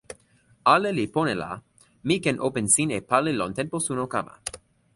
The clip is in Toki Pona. ale li pona la mi ken open sin e pali lon tenpo suno kama.